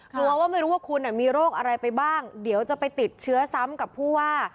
กลัวว่าไม่รู้ว่าคุณมีโรคอะไรไปบ้างเดี๋ยวจะไปติดเชื้อซ้ำกับผู้ว่า